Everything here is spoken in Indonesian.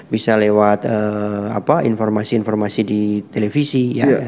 bisa lewat informasi informasi di televisi